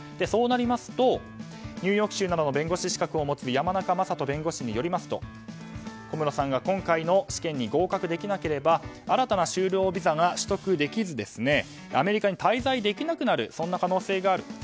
そうなりますとニューヨーク州などの弁護士資格を持つ山中さんによりますと小室さんが今回の試験に合格できなければ新たな就労ビザを取得できず、アメリカに滞在できなくなる可能性がある。